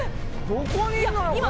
どこにいるのよ！